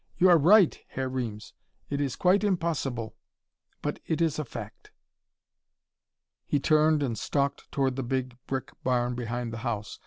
"You are right, Herr Reames. It is quite impossible. But it is a fact." He turned and stalked toward the big brick barn behind the house.